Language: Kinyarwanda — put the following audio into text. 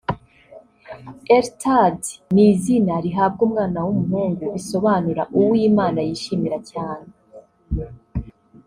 Eltad’ ni izina rihabwa umwana w’umuhungu bisobanura uw’Imana yishimira cyane